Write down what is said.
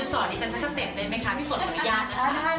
เอาให้พี่ฉันซักเต็มเลยไหมค่ะพี่ฝนก็ไม่ยากนะคะ